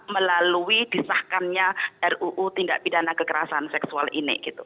melalui disahkannya ruu tindak pidana kekerasan seksual ini